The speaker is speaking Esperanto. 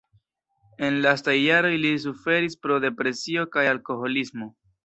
En lastaj jaroj li suferis pro depresio kaj alkoholismo.